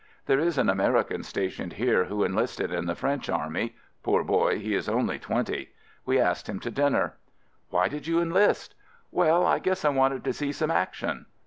There is an American stationed here who enlisted in the French army — poor boy, he is only twenty. We asked him to dinner. "Why did you enlist?" "Well, I guess I wanted to see some action."